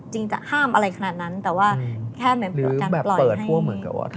จริงจะห้ามอะไรขนาดนั้นแต่ว่าแค่เหมือนกับการปล่อยให้